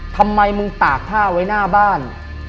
ทำไมมึงตากผ้าไว้หน้าบ้าน